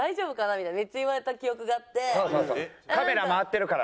みたいなめっちゃ言われた記憶があって。